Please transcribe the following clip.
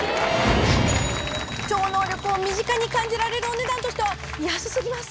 超能力を身近に感じられるお値段としては安すぎます。